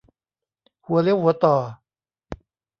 หัวเลี้ยวหัวต่อ